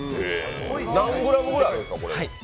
何グラムぐらいあるんですか？